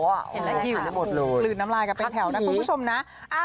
เห็นไหมครับหลืนน้ำลายกันเป็นแถวนะคุณผู้ชมนะ